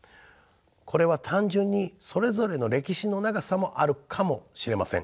これは単純にそれぞれの歴史の長さもあるかもしれません。